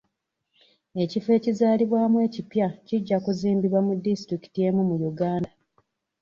Ekifo ekizaalibwamu ekipya kijja kuzimbibwa mu disitulikiti emu mu Uganda